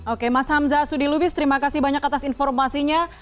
oke mas hamzah sudilubis terima kasih banyak atas informasinya